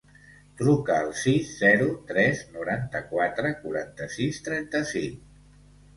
Truca al sis, zero, tres, noranta-quatre, quaranta-sis, trenta-cinc.